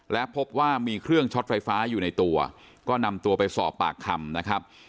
และพบว่ามีเครื่องช็อตไฟฟ้าอยู่ในตัวก็นำตัวไปสอบปากคำนะครับ